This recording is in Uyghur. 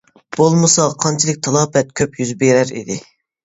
بولمىسا قانچىلىك تالاپەت كۆپ يۈز بېرەر ئىدى.